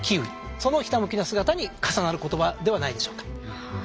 そのひたむきな姿に重なる言葉ではないでしょうか。